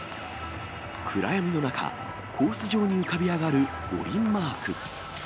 暗闇の中、コース上に浮かび上がる五輪マーク。